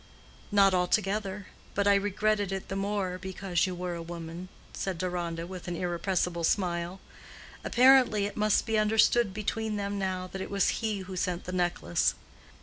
"Not altogether; but I regretted it the more because you were a woman," said Deronda, with an irrepressible smile. Apparently it must be understood between them now that it was he who sent the necklace.